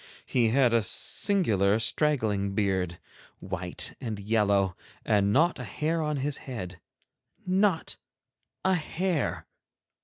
He had a singular straggling beard, white and yellow, and not a hair on his head—not a hair!